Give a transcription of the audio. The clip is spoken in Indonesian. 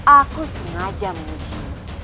aku sengaja mencuri